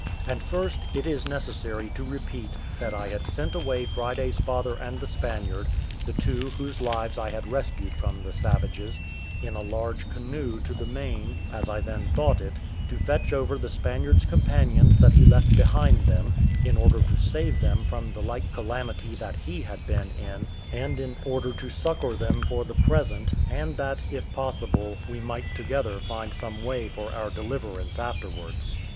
And first, it is necessary to repeat that I had sent away Friday's father and the Spaniard (the two whose lives I had rescued from the savages) in a large canoe to the main, as I then thought it, to fetch over the Spaniard's companions that he left behind him, in order to save them from the like calamity that he had been in, and in order to succour them for the present; and that, if possible, we might together find some way for our deliverance afterwards.